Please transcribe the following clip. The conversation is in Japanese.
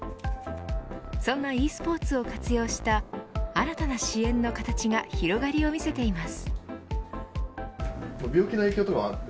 そんなｅスポーツを活用した新たな支援の形が広がりを見せています。